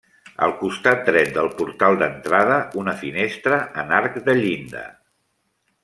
Al costat dret del portal d'entrada, una finestra en arc de llinda.